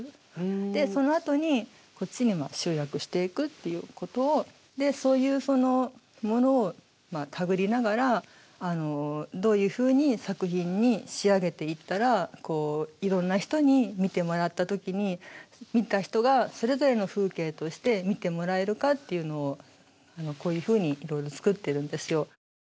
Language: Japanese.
でそのあとにこっちにも集約していくっていうことをそういうものをたぐりながらどういうふうに作品に仕上げていったらいろんな人に見てもらった時に見た人がそれぞれの風景として見てもらえるかっていうのをこういうふうにいろいろ作ってるんですよ。